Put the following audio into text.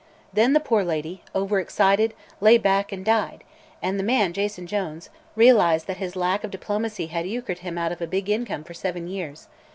Then the poor lady over excited, lay back and died, and the man Jason Jones realized that his lack of diplomacy had euchred him out of a big income for seven years.